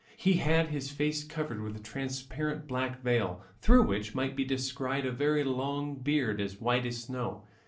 He had his face covered with a transparent black veil, through which might be descried a very long beard as white as snow.